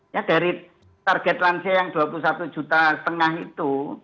ya dari target lansia yang dua puluh satu juta setengah itu